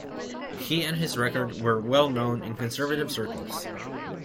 He and his record were well known in conservative circles.